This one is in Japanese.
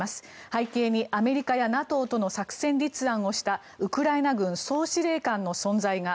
背景にアメリカやＮＡＴＯとの作戦立案をしたウクライナ軍総司令官の存在が。